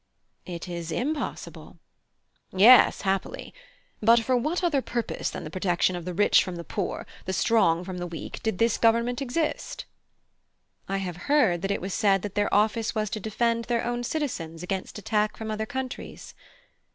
(I) It is impossible. (H.) Yes, happily. But for what other purpose than the protection of the rich from the poor, the strong from the weak, did this Government exist? (I.) I have heard that it was said that their office was to defend their own citizens against attack from other countries.